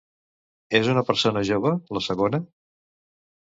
És una persona jove, la segona?